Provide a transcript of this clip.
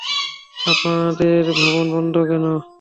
আপনাদের ভবন বন্ধ কেন?